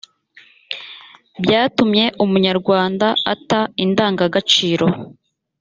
byatumye umunyarwanda ata indangagaciro